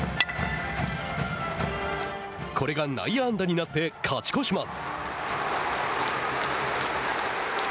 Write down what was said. これが内野安打になって勝ち越します。